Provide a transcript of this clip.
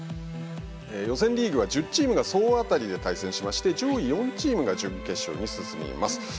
予選リーグは１０チームが総当たりで対戦しまして上位４チームが準決勝に進みます。